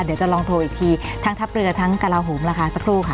เดี๋ยวจะลองโทรอีกทีทั้งทัพเรือทั้งกระลาโหมล่ะค่ะสักครู่ค่ะ